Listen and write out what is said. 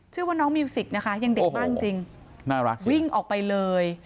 ชื่อว่าน้องมิวสิกนะคะยังเด็กมากจริงจริงน่ารักวิ่งออกไปเลย